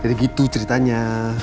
jadi gitu ceritanya